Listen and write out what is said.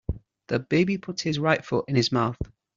The baby puts his right foot in his mouth.